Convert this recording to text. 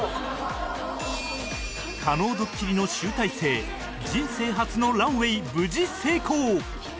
加納ドッキリの集大成人生初のランウェイ無事成功！